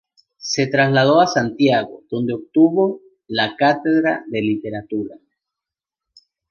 Se trasladó a Santiago, donde obtuvo la cátedra de Literatura.